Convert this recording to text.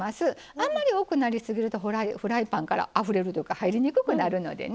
あんまり多くなりすぎるとフライパンからあふれるというか入りにくくなるのでね